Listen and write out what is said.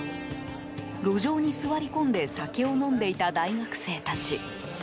路上に座り込んで酒を飲んでいた大学生たち。